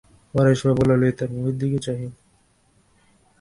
পরেশবাবু ললিতার মুখের দিকে চাহিলেন।